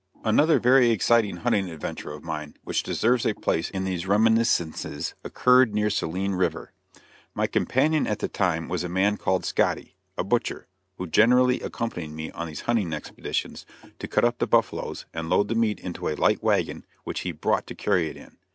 Another very exciting hunting adventure of mine which deserves a place in these reminiscences occurred near Saline river. My companion at the time was a man called Scotty, a butcher, who generally accompanied me on these hunting expeditions to cut up the buffaloes and load the meat into a light wagon which he brought to carry it in.